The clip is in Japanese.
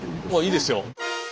いいですよ。